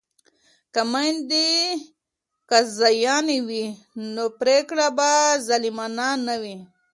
که میندې قاضیانې وي نو پریکړې به ظالمانه نه وي.